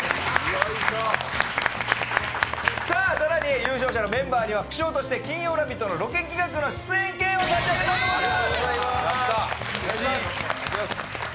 更に優勝者のメンバーには副賞として金曜ラヴィット！のロケ企画の出場権を差し上げます。